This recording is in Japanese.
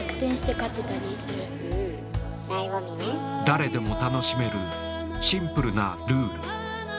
誰でも楽しめるシンプルなルール。